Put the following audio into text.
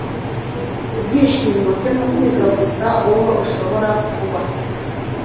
ibyishimo byo kwiga gusa uwo ushobora kuba